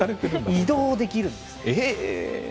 移動できるんです。